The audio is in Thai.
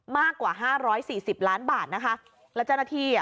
มากกว่าห้าร้อยสี่สิบล้านบาทนะคะแล้วเจ้าหน้าที่อ่ะ